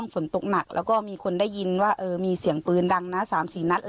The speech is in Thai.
ฝนตกหนักแล้วก็มีคนได้ยินว่าเออมีเสียงปืนดังนะสามสี่นัดอะไร